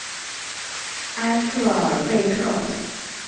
埃特尔贝克。